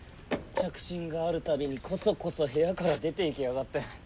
着信があるたびにこそこそ部屋から出て行きやがって。